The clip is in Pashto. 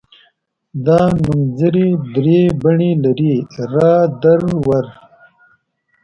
دا نومځري درې بڼې لري را در ور.